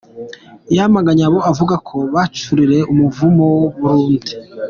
Yamaganye abo avuga ko bacurera umuvumo ku Burundi.